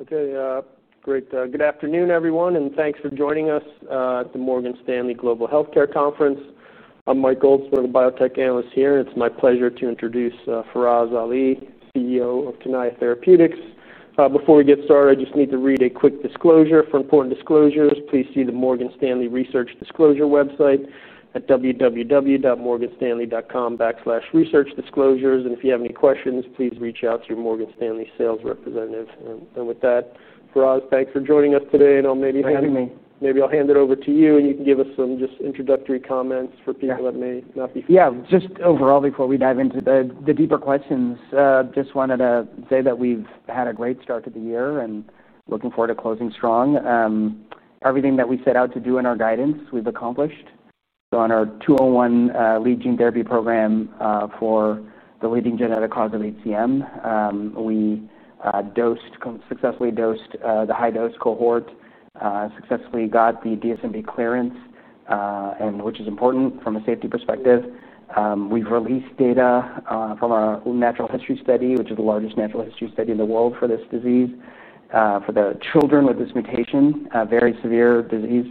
Okay, great. Good afternoon, everyone, and thanks for joining us at the Morgan Stanley Global Healthcare Conference. I'm Mike Goldsmith, a biotech analyst here, and it's my pleasure to introduce Faraz Ali, CEO of Tenaya Therapeutics. Before we get started, I just need to read a quick disclosure. For important disclosures, please see the Morgan Stanley Research Disclosure website at www.morganstanley.com/researchdisclosures. If you have any questions, please reach out to your Morgan Stanley sales representative. With that, Faraz, thanks for joining us today. Thanks for having me. Maybe I'll hand it over to you, and you can give us some just introductory comments for people that may not be. Yeah, just overall, before we dive into the deeper questions, I just wanted to say that we've had a great start to the year and looking forward to closing strong. Everything that we set out to do in our guidance, we've accomplished. On our TN-201, lead gene therapy program, for the leading genetic cause of HCM, we successfully dosed the high-dose cohort, successfully got the DSMB clearance, which is important from a safety perspective. We've released data from our own natural history study, which is the largest natural history study in the world for this disease, for the children with this mutation, a very severe disease.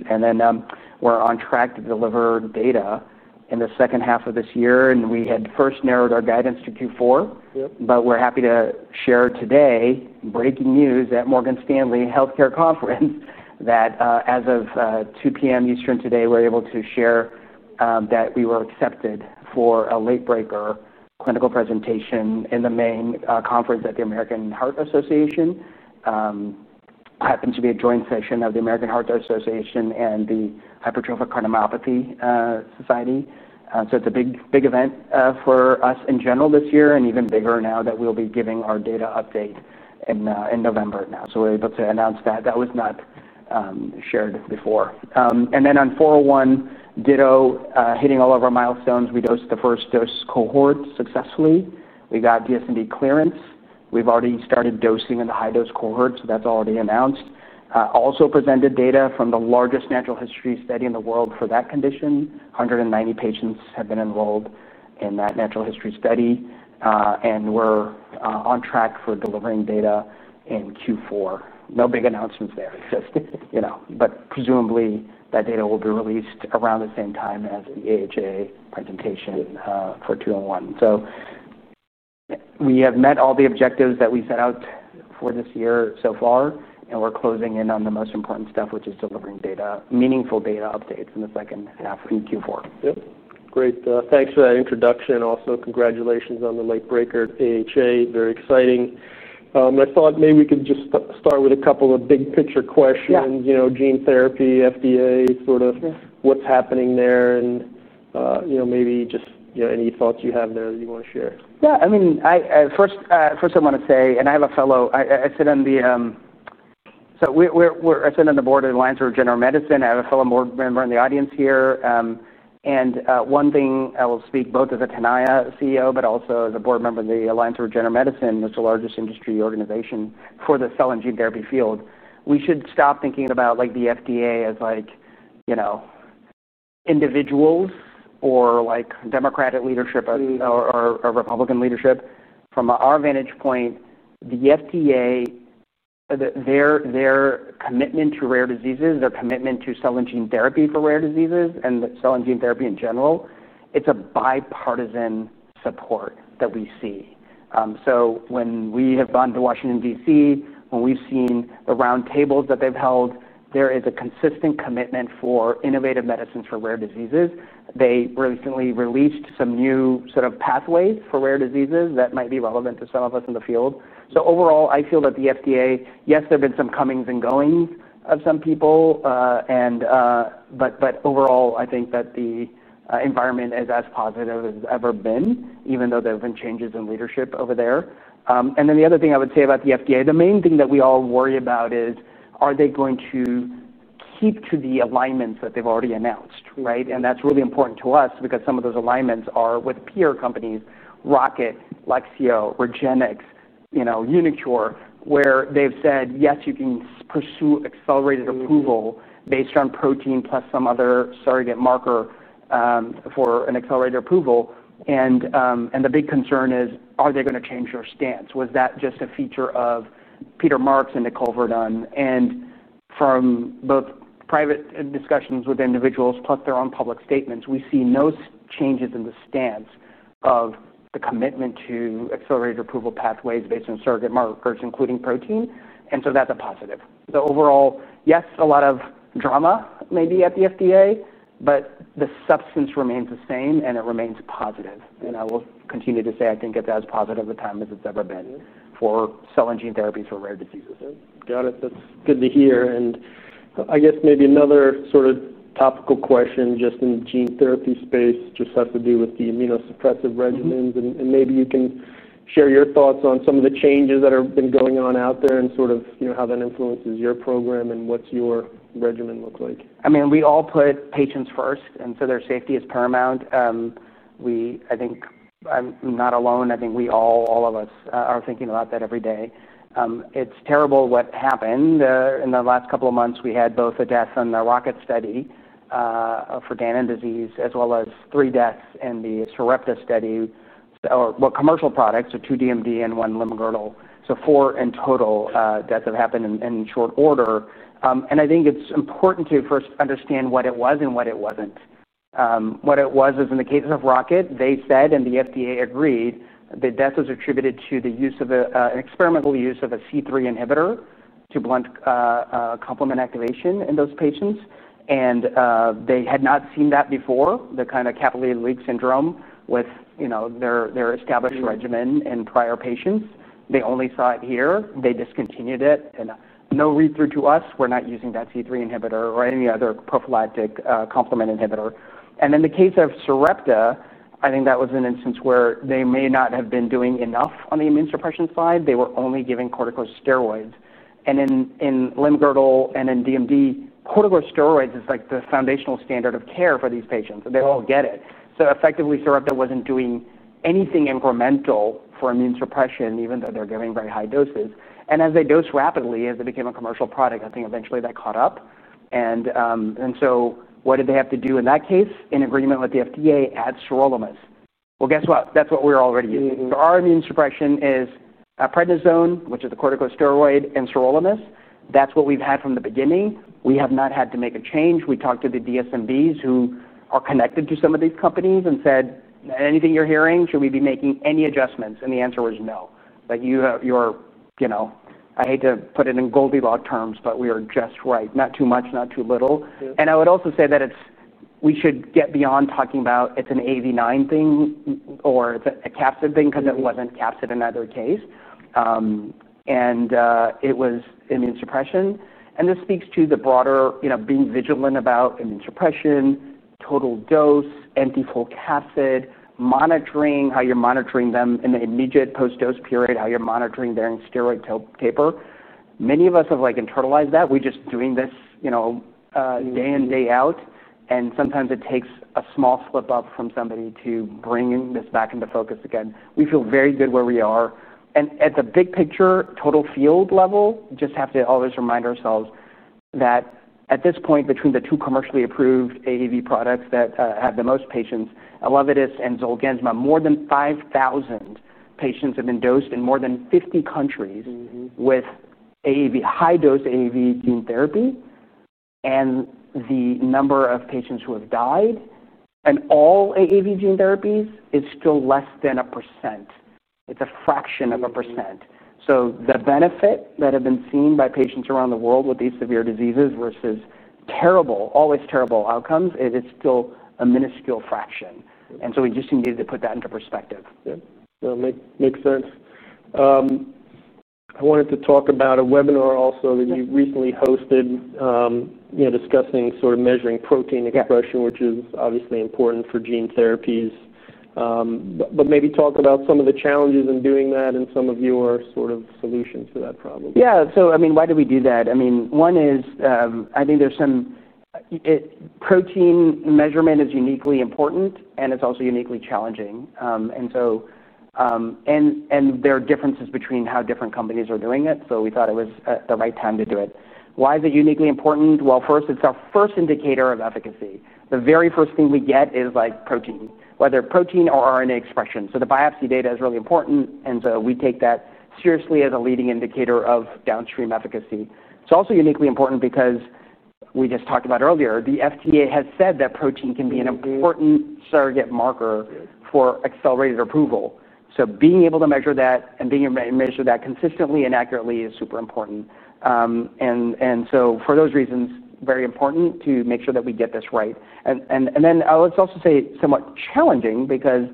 We're on track to deliver data in the second half of this year. We had first narrowed our guidance to Q4. Yep. We're happy to share today breaking news at the Morgan Stanley Global Healthcare Conference that, as of 2:00 P.M. Eastern today, we're able to share that we were accepted for a late-breaker clinical presentation in the main conference at the American Heart Association. It happens to be a joint session of the American Heart Association and the Hypertrophic Cardiomyopathy Society. It's a big, big event for us in general this year, and even bigger now that we'll be giving our data update in November. We're able to announce that. That was not shared before. On TN-401, ditto hitting all of our milestones. We dosed the first dose cohort successfully. We got Data Safety Monitoring Board clearance. We've already started dosing in the high-dose cohort, so that's already announced. We also presented data from the largest natural history study in the world for that condition. 190 patients have been enrolled in that natural history study, and we're on track for delivering data in Q4. No big announcements there, but presumably, that data will be released around the same time as the AHA presentation for TN-201. We have met all the objectives that we set out for this year so far, and we're closing in on the most important stuff, which is delivering data, meaningful data updates in the second half in Q4. Great. Thanks for that introduction. Also, congratulations on the late-breaker AHA. Very exciting. I thought maybe we could just start with a couple of big-picture questions. You know, gene therapy, FDA, sort of what's happening there, and maybe just any thoughts you have there that you want to share. First I want to say, I sit on the board of the Alliance for General Medicine. I have a fellow board member in the audience here. One thing I will speak both as a Tenaya CEO, but also as a board member of the Alliance for General Medicine, which is the largest industry organization for the cell and gene therapy field. We should stop thinking about the FDA as individuals or Democratic leadership or Republican leadership. From our vantage point, the FDA, their commitment to rare diseases, their commitment to cell and gene therapy for rare diseases and cell and gene therapy in general, it's a bipartisan support that we see. When we have gone to Washington, DC, when we've seen the roundtables that they've held, there is a consistent commitment for innovative medicines for rare diseases. They recently released some new sort of pathways for rare diseases that might be relevant to some of us in the field. Overall, I feel that the FDA, yes, there have been some comings and goings of some people, but overall, I think that the environment is as positive as it's ever been, even though there have been changes in leadership over there. The other thing I would say about the FDA, the main thing that we all worry about is, are they going to keep to the alignments that they've already announced, right? That's really important to us because some of those alignments are with peer companies, Rocket, Lexeo, Regenix, Unicure, where they've said, yes, you can pursue accelerated approval based on protein plus some other surrogate marker for an accelerated approval. The big concern is, are they going to change their stance? Was that just a feature of Peter Marks and Nicole Verdun? From both private discussions with individuals plus their own public statements, we see no changes in the stance of the commitment to accelerated approval pathways based on surrogate markers, including protein. That's a positive. Overall, yes, a lot of drama may be at the FDA, but the substance remains the same, and it remains positive. I will continue to say I think that that's as positive a time as it's ever been for cell and gene therapy for rare diseases. Got it. That's good to hear. I guess maybe another sort of topical question just in the gene therapy space has to do with the immunosuppressive regimens. Maybe you can share your thoughts on some of the changes that have been going on out there and how that influences your program and what your regimen looks like. I mean, we all put patients first, and so their safety is paramount. I think I'm not alone. I think we all, all of us, are thinking about that every day. It's terrible what happened in the last couple of months. We had both a death in the Rocket Pharmaceuticals study for Danon disease, as well as three deaths in the Sarepta study, or, well, commercial products, so two DMD and one Limb-Girdle. So four in total, deaths have happened in short order. I think it's important to first understand what it was and what it wasn't. What it was is, in the case of Rocket Pharmaceuticals, they said, and the FDA agreed, the death was attributed to the use of an experimental use of a C3 inhibitor to blunt complement activation in those patients. They had not seen that before, the kind of capillary leak syndrome with their established regimen in prior patients. They only saw it here. They discontinued it. No read-through to us. We're not using that C3 inhibitor or any other prophylactic complement inhibitor. In the case of Sarepta, I think that was an instance where they may not have been doing enough on the immunosuppression side. They were only giving corticosteroids. In Limb-Girdle and in DMD, corticosteroids is like the foundational standard of care for these patients. They all get it. Effectively, Sarepta wasn't doing anything incremental for immunosuppression, even though they're giving very high doses. As they dosed rapidly, as they became a commercial product, I think eventually that caught up. What did they have to do in that case? In agreement with the FDA, add sirolimus. Guess what? That's what we're already using. Our immunosuppression is prednisone, which is the corticosteroid, and sirolimus. That's what we've had from the beginning. We have not had to make a change. We talked to the DSMBs who are connected to some of these companies and said, "Anything you're hearing, should we be making any adjustments?" The answer was no. You are, you know, I hate to put it in Goldilocks terms, but we are just right. Not too much, not too little. I would also say that we should get beyond talking about it's an AAV9 thing or it's a capsid thing because it wasn't capsid in either case. It was immunosuppression. This speaks to the broader, you know, being vigilant about immunosuppression, total dose, anti-full capsid, monitoring how you're monitoring them in the immediate post-dose period, how you're monitoring during steroid taper. Many of us have, like, internalized that. We're just doing this, you know, day in, day out. Sometimes it takes a small slip-up from somebody to bring this back into focus again. We feel very good where we are. As a big picture, total field level, we just have to always remind ourselves that at this point, between the two commercially approved AAV products that have the most patients, Elavidis and Zolgensma, more than 5,000 patients have been dosed in more than 50 countries with AAV, high-dose AAV gene therapy. The number of patients who have died in all AAV gene therapies is still less than 1%. It's a fraction of 1%. The benefit that has been seen by patients around the world with these severe diseases versus terrible, always terrible outcomes, it is still a minuscule fraction. We just needed to put that into perspective. Yeah. No, it makes sense. I wanted to talk about a webinar also that you recently hosted, you know, discussing sort of measuring protein expression, which is obviously important for gene therapies. Maybe talk about some of the challenges in doing that and some of your sort of solutions to that problem. Yeah. So, I mean, why do we do that? One is, I think there's some protein measurement is uniquely important, and it's also uniquely challenging. There are differences between how different companies are doing it. We thought it was the right time to do it. Why is it uniquely important? First, it's our first indicator of efficacy. The very first thing we get is, like, protein, whether protein or RNA expression. The biopsy data is really important. We take that seriously as a leading indicator of downstream efficacy. It's also uniquely important because, as we just talked about earlier, the FDA has said that protein can be an important surrogate marker for accelerated approval. Being able to measure that and being able to measure that consistently and accurately is super important. For those reasons, it's very important to make sure that we get this right. It's also somewhat challenging because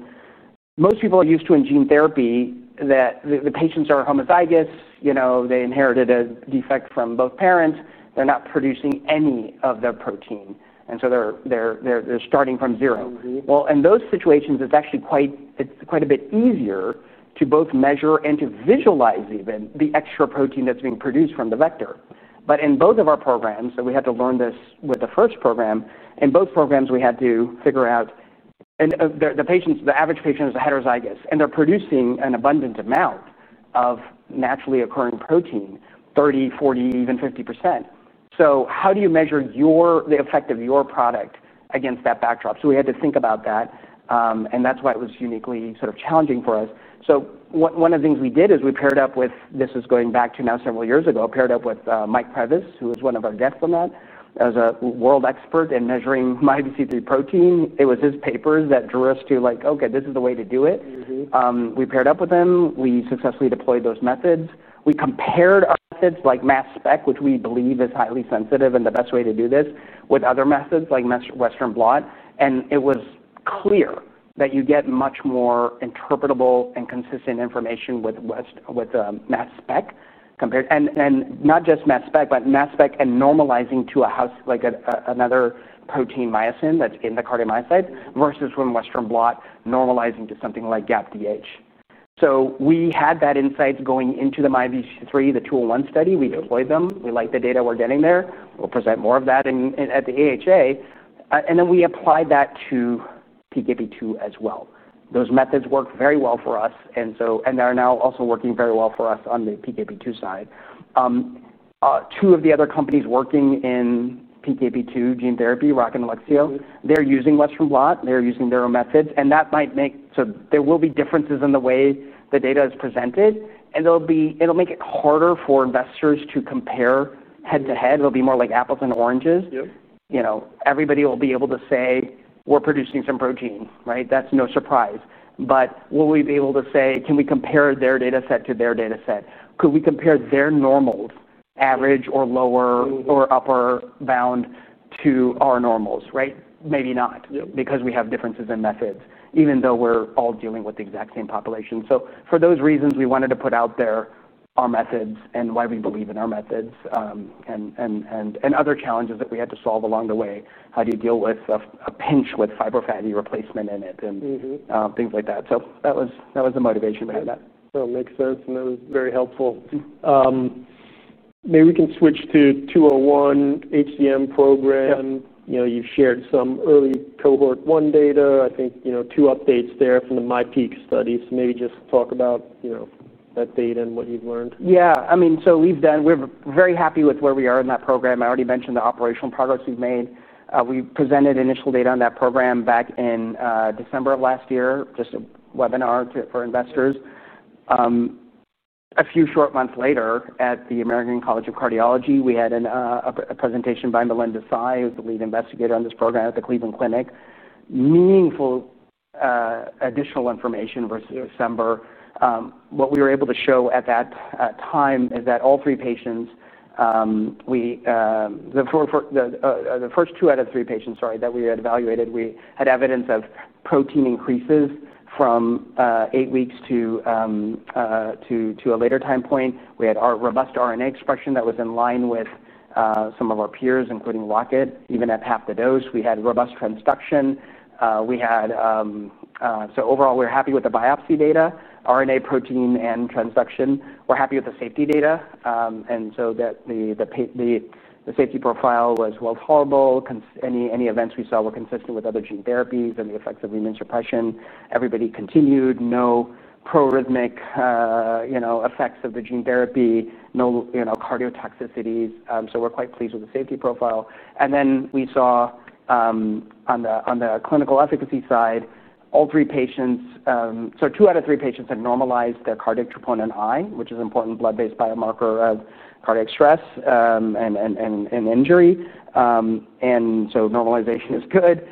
most people are used to in gene therapy that the patients are homozygous. You know, they inherited a defect from both parents. They're not producing any of the protein. They're starting from zero. In those situations, it's actually quite a bit easier to both measure and to visualize even the extra protein that's being produced from the vector. In both of our programs, we had to learn this with the first program. In both programs, we had to figure out, and the patients, the average patient is heterozygous, and they're producing an abundant amount of naturally occurring protein, 30%, 40%, even 50%. How do you measure the effect of your product against that backdrop? We had to think about that, and that's why it was uniquely sort of challenging for us. One of the things we did is we paired up with, this is going back to now several years ago, paired up with Mike Previs, who is one of our guests on that, as a world expert in measuring MYBPC3 protein. It was his papers that drew us to, like, okay, this is the way to do it. We paired up with him. We successfully deployed those methods. We compared methods like mass spectrometry, which we believe is highly sensitive and the best way to do this, with other methods like Western blot. It was clear that you get much more interpretable and consistent information with mass spectrometry compared to, and not just mass spectrometry, but mass spectrometry and normalizing to a house, like another protein myosin that's in the cardiomyocyte, versus when Western blot normalizing to something like GAPDH. We had that insight going into the MyPeak study, the TN-201 study. We deployed them. We like the data we're getting there. We'll present more of that at the AHA. We applied that to PKP2 as well. Those methods work very well for us, and they're now also working very well for us on the PKP2 side. Two of the other companies working in PKP2 gene therapy, Rocket Pharmaceuticals and Lexeo Therapeutics, are using Western blot. They're using their own methods, and that might make, so there will be differences in the way the data is presented. It'll make it harder for investors to compare head-to-head. It'll be more like apples and oranges. Yep. You know, everybody will be able to say, "We're producing some protein," right? That's no surprise. Will we be able to say, "Can we compare their data set to their data set? Could we compare their normals, average or lower or upper bound to our normals," right? Maybe not because we have differences in methods, even though we're all dealing with the exact same population. For those reasons, we wanted to put out there our methods and why we believe in our methods, and other challenges that we had to solve along the way. How do you deal with a pinch with fibrofatty replacement in it and things like that? That was the motivation behind that. No, it makes sense. That was very helpful. Maybe we can switch to the TN-201 HCM program. You know, you've shared some early cohort one data. I think, you know, two updates there from the MyPeak study. Maybe just talk about that data and what you've learned. Yeah. I mean, we've done, we're very happy with where we are in that program. I already mentioned the operational progress we've made. We presented initial data on that program back in December of last year, just a webinar for investors. A few short months later at the American Heart Association, we had a presentation by Melinda Tsai, the lead investigator on this program at the Cleveland Clinic. Meaningful, additional information versus December. What we were able to show at that time is that all three patients, the first two out of three patients, sorry, that we had evaluated, we had evidence of protein increases from eight weeks to a later time point. We had our robust RNA expression that was in line with some of our peers, including Rocket Pharmaceuticals, even at half the dose. We had robust transduction. Overall, we're happy with the biopsy data, RNA, protein, and transduction. We're happy with the safety data, and the safety profile was well tolerable. Any events we saw were consistent with other gene therapies and the effects of immunosuppression. Everybody continued. No proarrhythmic effects of the gene therapy. No cardiotoxicities. We're quite pleased with the safety profile. On the clinical efficacy side, all three patients, so two out of three patients had normalized their cardiac troponin I, which is an important blood-based biomarker of cardiac stress and injury, and so normalization is good.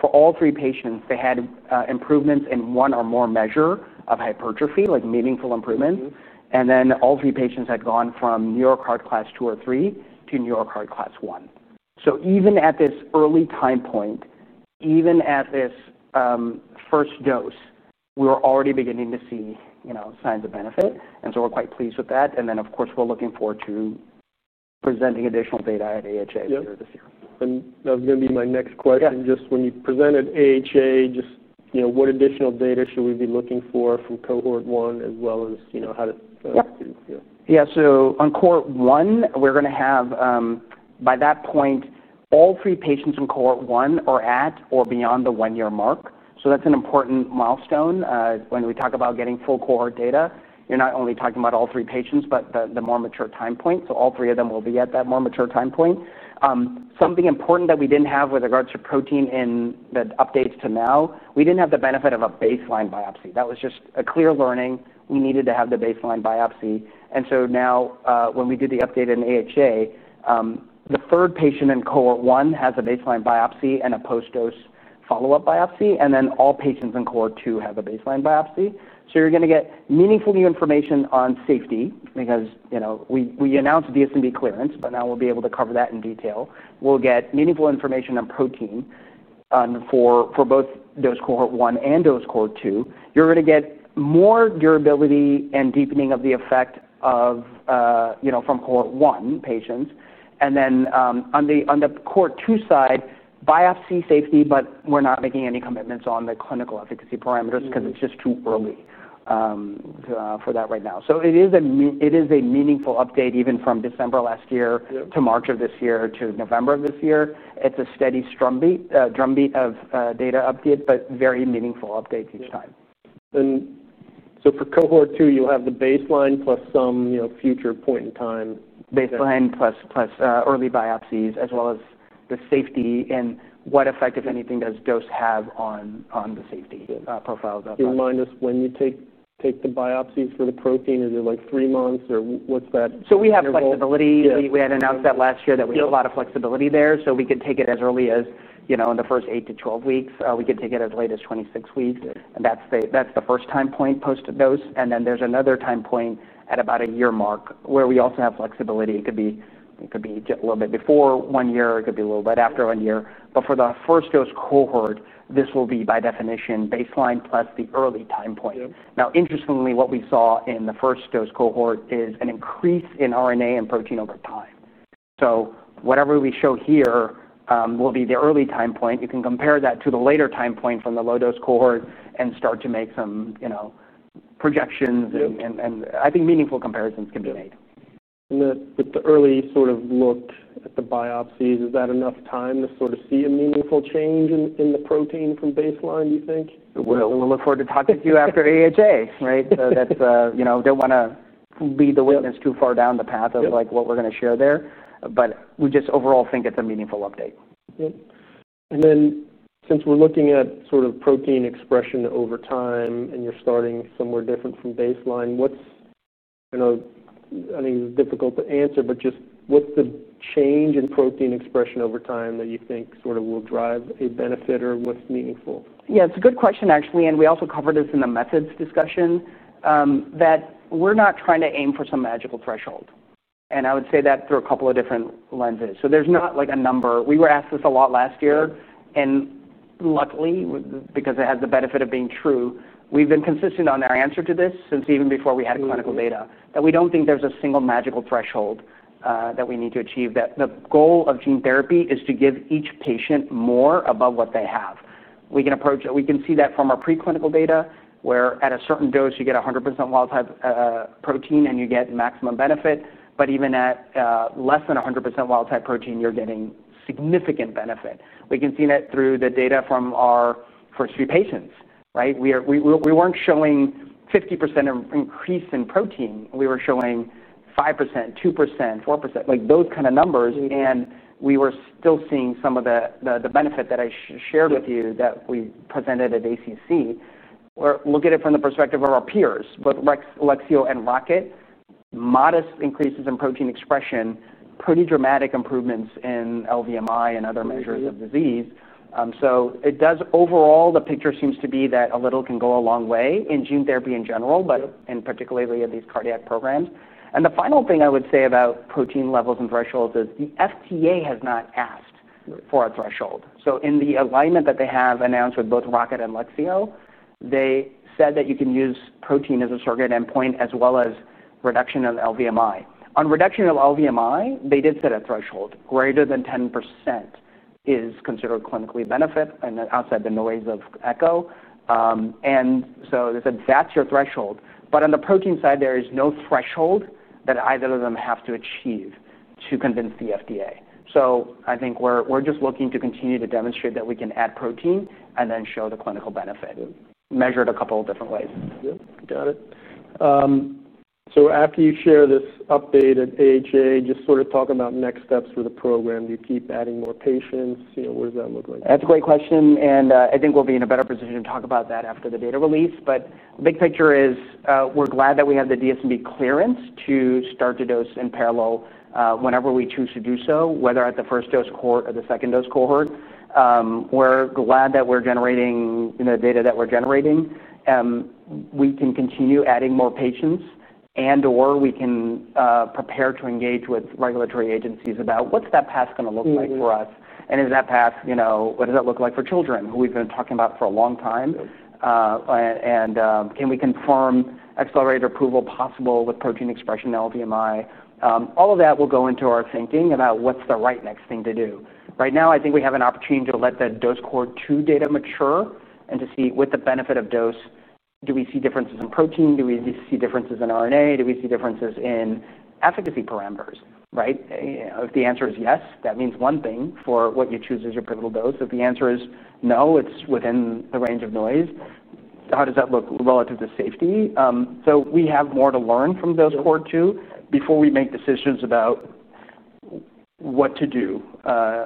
For all three patients, they had improvements in one or more measure of hypertrophy, like meaningful improvement. All three patients had gone from New York Heart Class II or III to New York Heart Class I. Even at this early time point, even at this first dose, we were already beginning to see signs of benefit. We're quite pleased with that. Of course, we're looking forward to presenting additional data at AHA later this year. That was going to be my next question. When you presented at AHA, what additional data should we be looking for from cohort one as well as how to do that? Yeah. Yeah. On cohort one, we're going to have, by that point, all three patients in cohort one are at or beyond the one-year mark. That's an important milestone. When we talk about getting full cohort data, you're not only talking about all three patients, but the more mature time point. All three of them will be at that more mature time point. Something important that we didn't have with regards to protein in the updates to now, we didn't have the benefit of a baseline biopsy. That was just a clear learning. We needed to have the baseline biopsy. Now, when we did the update in AHA, the third patient in cohort one has a baseline biopsy and a post-dose follow-up biopsy. All patients in cohort two have a baseline biopsy. You're going to get meaningful new information on safety because, you know, we announced DSMB clearance, but now we'll be able to cover that in detail. We'll get meaningful information on protein, for both dose cohort one and dose cohort two. You're going to get more durability and deepening of the effect from cohort one patients. On the cohort two side, biopsy safety, but we're not making any commitments on the clinical efficacy parameters because it's just too early for that right now. It is a meaningful update even from December last year to March of this year to November of this year. It's a steady drumbeat of data update, but very meaningful updates each time. For cohort two, you'll have the baseline plus some future point in time. Baseline plus early biopsies, as well as the safety and what effect, if anything, does dose have on the safety profile of that biopsy. Do you mind, when you take the biopsy for the protein, is it like three months or what's that? We have flexibility. We had announced that last year that we have a lot of flexibility there. We could take it as early as, you know, in the first 8 to 12 weeks. We could take it as late as 26 weeks. That is the first time point post-dose. There is another time point at about a year mark where we also have flexibility. It could be a little bit before one year. It could be a little bit after one year. For the first dose cohort, this will be by definition baseline plus the early time point. Interestingly, what we saw in the first dose cohort is an increase in RNA and protein over time. Whatever we show here will be the early time point. You can compare that to the later time point from the low-dose cohort and start to make some, you know, projections. I think meaningful comparisons can be made. With the early sort of look at the biopsies, is that enough time to sort of see a meaningful change in the protein from baseline, do you think? We look forward to talking to you after AHA, right? That's, you know, I don't want to lead the witness too far down the path of what we're going to share there, but we just overall think it's a meaningful update. Yep. Since we're looking at sort of protein expression over time and you're starting somewhere different from baseline, what's the change in protein expression over time that you think will drive a benefit or what's meaningful? Yeah, it's a good question, actually. We also covered this in the methods discussion, that we're not trying to aim for some magical threshold. I would say that through a couple of different lenses. There's not, like, a number. We were asked this a lot last year. Luckily, because it has the benefit of being true, we've been consistent on our answer to this since even before we had clinical data, that we don't think there's a single magical threshold that we need to achieve. The goal of gene therapy is to give each patient more above what they have. We can approach, we can see that from our preclinical data where at a certain dose, you get 100% wild-type protein and you get maximum benefit. Even at less than 100% wild-type protein, you're getting significant benefit. We can see that through the data from our first few patients, right? We weren't showing 50% increase in protein. We were showing 5%, 2%, 4%, like those kind of numbers. We were still seeing some of the benefit that I shared with you that we presented at ACC, or look at it from the perspective of our peers, both Lexeo and Rocket, modest increases in protein expression, pretty dramatic improvements in LVMI and other measures of disease. Overall, the picture seems to be that a little can go a long way in gene therapy in general, particularly in these cardiac programs. The final thing I would say about protein levels and thresholds is the FDA has not asked for a threshold. In the alignment that they have announced with both Rocket and Lexeo, they said that you can use protein as a surrogate endpoint as well as reduction of LVMI. On reduction of LVMI, they did set a threshold. Greater than 10% is considered clinical benefit and outside the noise of ECHO, and so they said that's your threshold. On the protein side, there is no threshold that either of them have to achieve to convince the FDA. I think we're just looking to continue to demonstrate that we can add protein and then show the clinical benefit, measured a couple of different ways. Yep. Got it. After you share this update at AHA, just sort of talk about next steps for the program. Do you keep adding more patients? You know, what does that look like? That's a great question. I think we'll be in a better position to talk about that after the data release. The big picture is we're glad that we have the DSMB clearance to start to dose in parallel whenever we choose to do so, whether at the first dose cohort or the second dose cohort. We're glad that we're generating, you know, the data that we're generating. We can continue adding more patients and/or we can prepare to engage with regulatory agencies about what's that path going to look like for us. Is that path, you know, what does that look like for children who we've been talking about for a long time? Can we confirm accelerated approval possible with protein expression LVMI? All of that will go into our thinking about what's the right next thing to do. Right now, I think we have an opportunity to let the dose cohort two data mature and to see with the benefit of dose, do we see differences in protein? Do we see differences in RNA? Do we see differences in efficacy parameters, right? If the answer is yes, that means one thing for what you choose as your pivotal dose. If the answer is no, it's within the range of noise, how does that look relative to safety? We have more to learn from those cohort two before we make decisions about what to do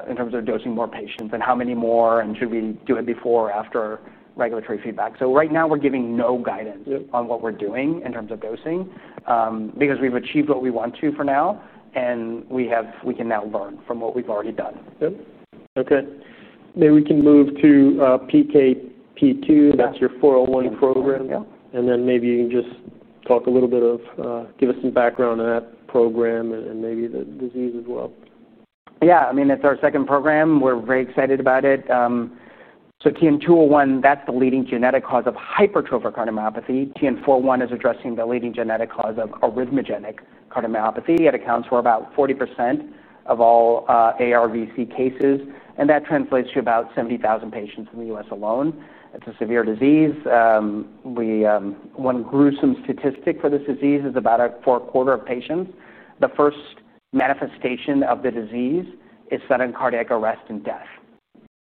in terms of dosing more patients and how many more, and should we do it before or after regulatory feedback. Right now, we're giving no guidance on what we're doing in terms of dosing, because we've achieved what we want to for now. We can now learn from what we've already done. Okay. Maybe we can move to PKP2. That's your 401 program. Yeah. Maybe you can just talk a little bit, give us some background on that program and maybe the disease as well. Yeah. I mean, it's our second program. We're very excited about it. TN-201, that's the leading genetic cause of hypertrophic cardiomyopathy. TN-401 is addressing the leading genetic cause of arrhythmogenic cardiomyopathy. It accounts for about 40% of all ARVC cases, and that translates to about 70,000 patients in the U.S. alone. It's a severe disease. One gruesome statistic for this disease is about a quarter of patients, the first manifestation of the disease is sudden cardiac arrest and death.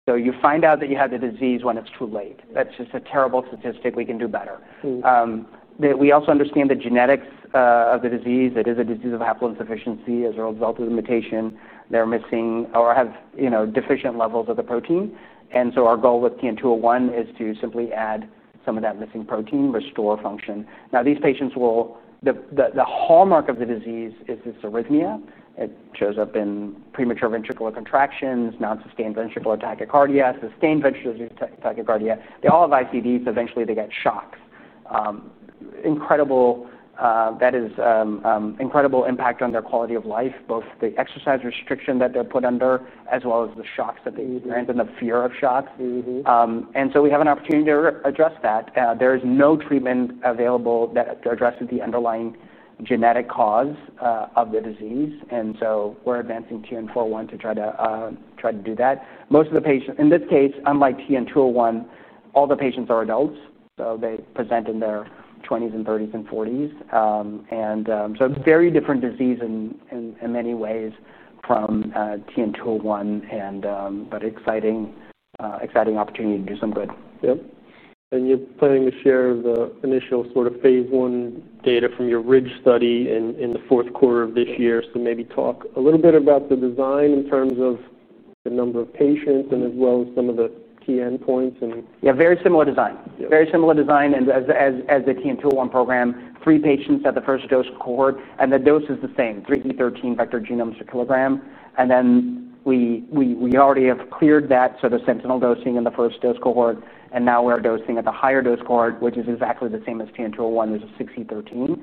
You find out that you have the disease when it's too late. That's just a terrible statistic. We can do better. We also understand the genetics of the disease. It is a disease of haploinsufficiency as a result of the mutation. They're missing or have, you know, deficient levels of the protein. Our goal with TN-201 is to simply add some of that missing protein, restore function. Now, these patients will, the hallmark of the disease is this arrhythmia. It shows up in premature ventricular contractions, nonsustained ventricular tachycardia, sustained ventricular tachycardia. They all have ICDs. Eventually, they get shocks. Incredible, that is, incredible impact on their quality of life, both the exercise restriction that they're put under, as well as the shocks that they experience and the fear of shocks. We have an opportunity to address that. There is no treatment available that addresses the underlying genetic cause of the disease. We're advancing TN-401 to try to do that. Most of the patients, in this case, unlike TN-201, all the patients are adults. They present in their 20s and 30s and 40s, and so very different disease in many ways from TN-201, but exciting, exciting opportunity to do some good. You're planning to share the initial sort of phase one data from your RIDGE study in the fourth quarter of this year. Maybe talk a little bit about the design in terms of the number of patients as well as some of the key endpoints. Yeah, very similar design. Very similar design. As the TN-201 program, three patients at the first dose cohort, and the dose is the same, 3E13 vector genomes per kilogram. We already have cleared that sort of sentinel dosing in the first dose cohort, and now we're dosing at the higher dose cohort, which is exactly the same as TN-201. This is 6E13.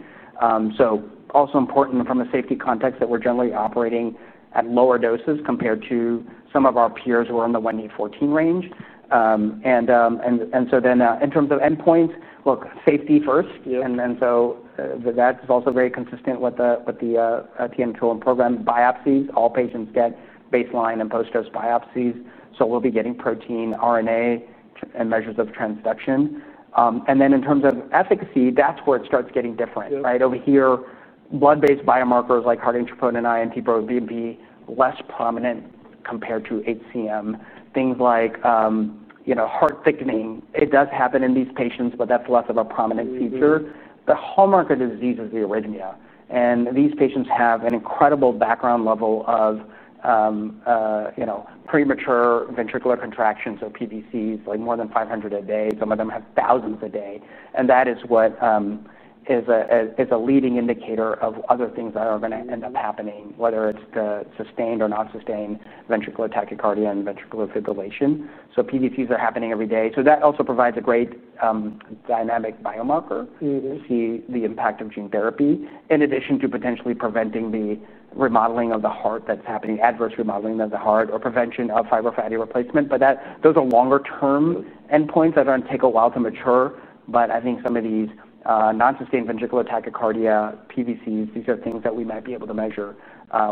Also important from a safety context that we're generally operating at lower doses compared to some of our peers who are in the 1E14 range. In terms of endpoints, safety first. That is also very consistent with the TN-201 program biopsies. All patients get baseline and post-dose biopsies, so we'll be getting protein, RNA, and measures of transduction. In terms of efficacy, that's where it starts getting different, right? Over here, blood-based biomarkers like cardiotropin and NT-proBNP, less prominent compared to HCM. Things like heart thickening, it does happen in these patients, but that's less of a prominent feature. The hallmark of the disease is the arrhythmia. These patients have an incredible background level of premature ventricular contractions or PVCs, like more than 500 a day. Some of them have thousands a day. That is a leading indicator of other things that are going to end up happening, whether it's the sustained or non-sustained ventricular tachycardia and ventricular fibrillation. PVCs are happening every day. That also provides a great, dynamic biomarker to see the impact of gene therapy, in addition to potentially preventing the remodeling of the heart that's happening, adverse remodeling of the heart, or prevention of fibrofatty replacement. Those are longer-term endpoints that are going to take a while to mature. I think some of these, non-sustained ventricular tachycardia, PVCs, these are things that we might be able to measure,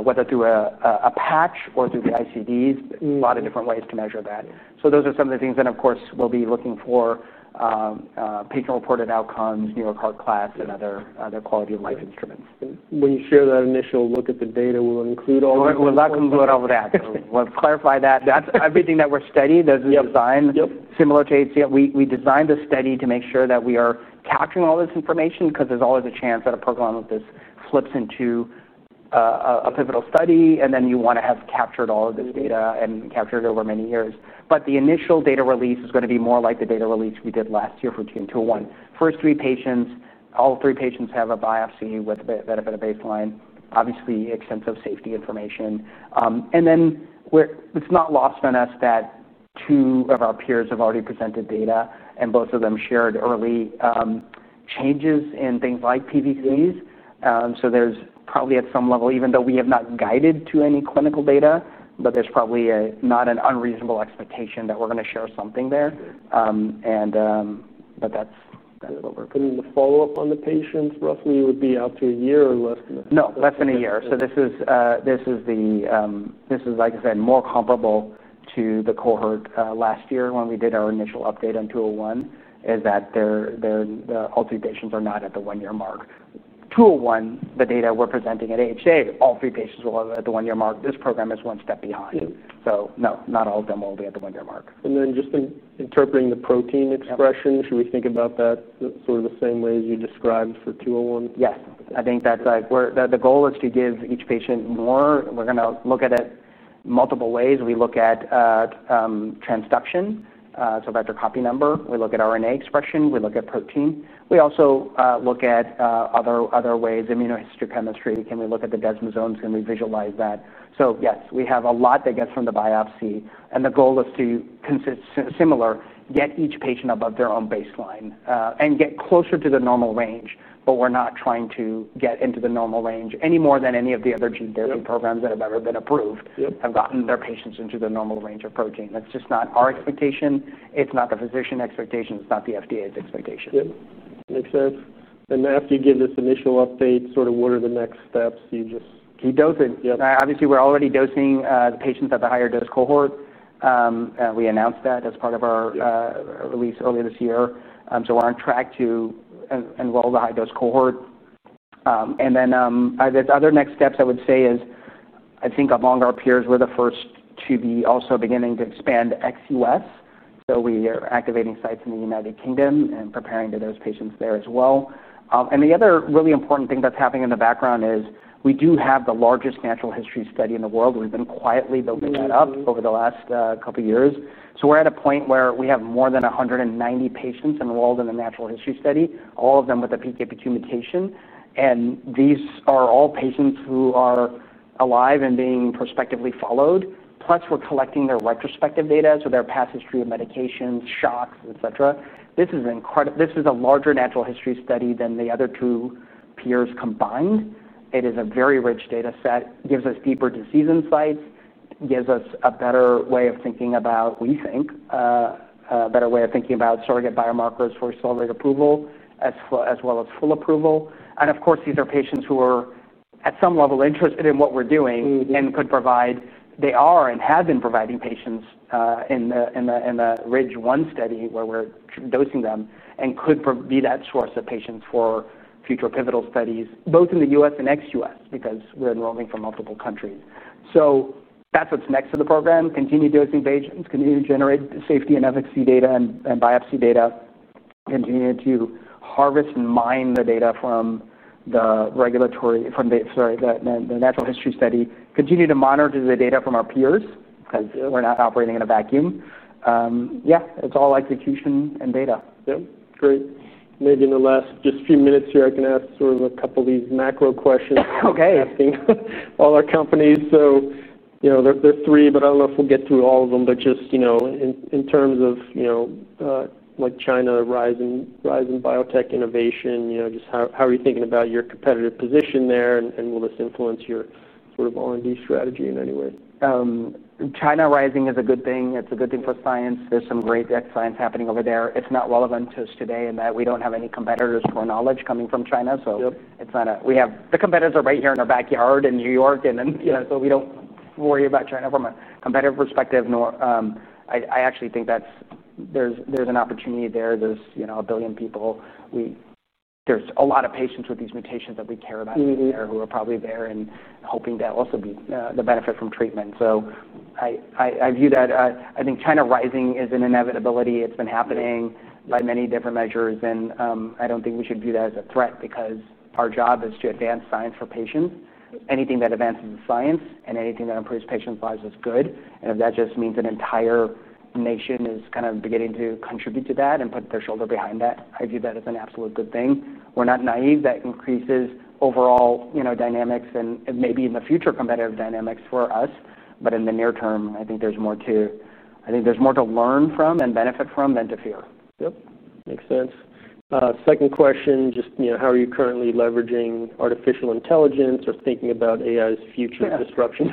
whether through a patch or through the ICDs. A lot of different ways to measure that. Those are some of the things that, of course, we'll be looking for, patient-reported outcomes, New York Heart Class, and other quality of life instruments. When you share that initial look at the data, we'll include all of that. We'll not include all of that. We'll clarify that. That's a big thing that we're studying. This is designed similar to ATM. We designed the study to make sure that we are capturing all this information because there's always a chance that a program like this flips into a pivotal study, and then you want to have captured all of this data and captured it over many years. The initial data release is going to be more like the data release we did last year for TN-201. First three patients, all three patients have a biopsy with a bit of a baseline. Obviously, extensive safety information. It's not lost on us that two of our peers have already presented data, and both of them shared early changes in things like PVCs. There's probably at some level, even though we have not guided to any clinical data, but there's probably not an unreasonable expectation that we're going to share something there. That's kind of what we're putting in. The follow-up on the patients roughly would be out to a year or less than that? No, less than a year. This is, like I said, more comparable to the cohort last year when we did our initial update on TN-201, in that all three patients are not at the one-year mark. For TN-201, the data we're presenting at AHA, all three patients will have at the one-year mark. This program is one step behind. No, not all of them will be at the one-year mark. Should we think about interpreting the protein expression sort of the same way as you described for TN-201? Yes. I think that's where the goal is to give each patient more. We're going to look at it multiple ways. We look at transduction, so vector copy number. We look at RNA expression. We look at protein. We also look at other ways, immunohistochemistry. Can we look at the desmosomes? Can we visualize that? Yes, we have a lot that gets from the biopsy. The goal is to consistently, similarly, get each patient above their own baseline and get closer to the normal range. We're not trying to get into the normal range any more than any of the other gene therapy programs that have ever been approved have gotten their patients into the normal range of protein. That's just not our expectation. It's not the physician expectation. It's not the FDA's expectation. Makes sense. After you give this initial update, what are the next steps you just? We dose it. Obviously, we're already dosing the patients at the higher dose cohort. We announced that as part of our release earlier this year. We're on track to enroll the high dose cohort. The other next steps I would say is I think among our peers, we're the first to be also beginning to expand XUS. We are activating sites in the United Kingdom and preparing to dose patients there as well. The other really important thing that's happening in the background is we do have the largest natural history study in the world. We've been quietly building that up over the last couple of years. We're at a point where we have more than 190 patients enrolled in the natural history study, all of them with the PKP2 mutation. These are all patients who are alive and being prospectively followed. Plus, we're collecting their retrospective data, so their past history of medications, shocks, etc. This is an incredible, this is a larger natural history study than the other two peers combined. It is a very rich data set. It gives us deeper disease insights. It gives us a better way of thinking about, we think, a better way of thinking about surrogate biomarkers for accelerated approval as well as full approval. Of course, these are patients who are at some level interested in what we're doing and could provide, they are and have been providing patients in the RIDGE one study where we're dosing them and could be that source of patients for future pivotal studies, both in the U.S. and XUS because we're enrolling from multiple countries. That's what's next in the program. Continue dosing patients, continue to generate safety and efficacy data and biopsy data, continue to harvest and mine the data from the natural history study, continue to monitor the data from our peers because we're not operating in a vacuum. Yeah, it's all execution and data. Great. Maybe in the last just few minutes here, I can ask sort of a couple of these macro questions. Okay. There are three, but I don't know if we'll get through all of them. In terms of China rising biotech innovation, how are you thinking about your competitive position there? Will this influence your sort of R&D strategy in any way? China rising is a good thing. It's a good thing for science. There's some great excellence happening over there. It's not relevant to us today in that we don't have any competitors for knowledge coming from China. The competitors are right here in our backyard in New York. We don't worry about China from a competitive perspective. I actually think that there's an opportunity there. There's a billion people. There's a lot of patients with these mutations that we care about here who are probably there and hoping to also benefit from treatment. I view that. I think China rising is an inevitability. It's been happening by many different measures. I don't think we should view that as a threat because our job is to advance science for patients. Anything that advances science and anything that improves patients' lives is good. If that just means an entire nation is kind of beginning to contribute to that and put their shoulder behind that, I view that as an absolute good thing. We're not naive. That increases overall dynamics and maybe in the future competitive dynamics for us. In the near term, I think there's more to learn from and benefit from than to fear. Yep. Makes sense. Second question, just, you know, how are you currently leveraging artificial intelligence or thinking about AI's future disruptions?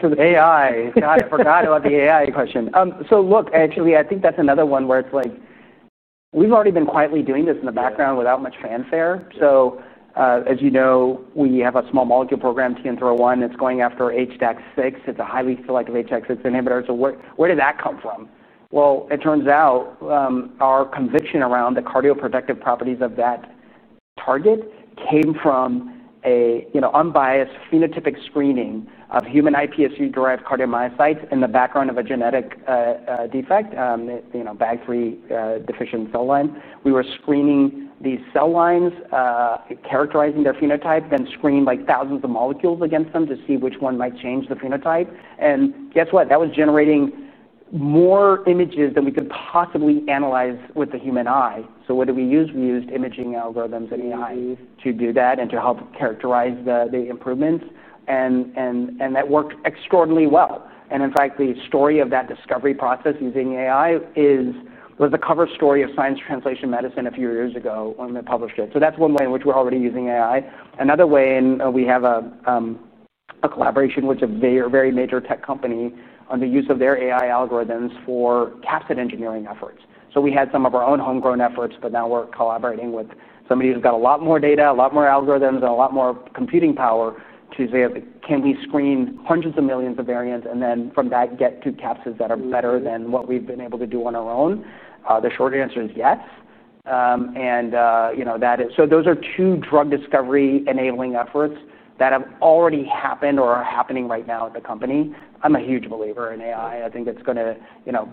For the AI, I forgot about the AI question. Actually, I think that's another one where it's like, we've already been quietly doing this in the background without much fanfare. As you know, we have a small molecule program, TN-401, that's going after HDAC-6. It's a highly selective HDAC-6 inhibitor. Where did that come from? It turns out, our conviction around the cardioprotective properties of that target came from an unbiased phenotypic screening of human iPSC-derived cardiomyocytes in the background of a genetic defect, you know, BAG3-deficient cell line. We were screening these cell lines, characterizing their phenotype, then screening thousands of molecules against them to see which one might change the phenotype. That was generating more images than we could possibly analyze with the human eye. What did we use? We used imaging algorithms and AI to do that and to help characterize the improvements. That worked extraordinarily well. In fact, the story of that discovery process using AI was the cover story of Science Translational Medicine a few years ago when we published it. That's one way in which we're already using AI. Another way, we have a collaboration with a very major tech company on the use of their AI algorithms for capsid engineering efforts. We had some of our own homegrown efforts, but now we're collaborating with somebody who's got a lot more data, a lot more algorithms, and a lot more computing power to say, can we screen hundreds of millions of variants and then from that get to capsids that are better than what we've been able to do on our own? The short answer is yes. Those are two drug discovery enabling efforts that have already happened or are happening right now at the company. I'm a huge believer in AI. I think it's going to, you know,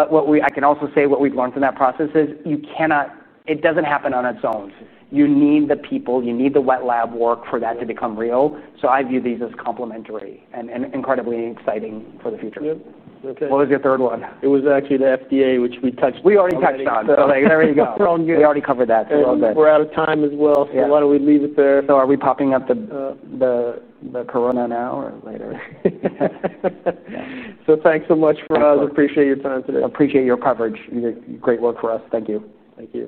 what we, I can also say what we've learned from that process is you cannot, it doesn't happen on its own. You need the people, you need the wet lab work for that to become real. I view these as complementary and incredibly exciting for the future. Yep. Okay. What was your third one? It was actually the FDA, which we touched. We already touched on. There you go. They already covered that. We're out of time as well. Yeah. Why don't we leave it there? Are we popping up the corona now or later? Thanks so much, Faraz. Appreciate your time today. Appreciate your coverage. Great work for us. Thank you. Thank you.